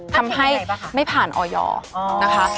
ทำให้ไม่ผ่านออยนะคะ